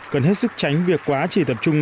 cần hết sức tránh việc quá chỉ tập trung